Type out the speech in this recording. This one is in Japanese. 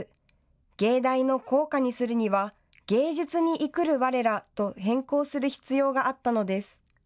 藝大の校歌にするには藝術に生くる吾らと変更する必要があったのです。